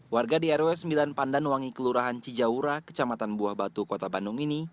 warga di rw sembilan pandanwangi kelurahan cijaura kecamatan buah batu kota bandung ini